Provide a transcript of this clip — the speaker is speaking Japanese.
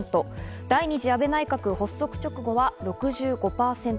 第２次安倍内閣発足直後は６５％。